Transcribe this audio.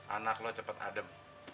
anak lo cepet adem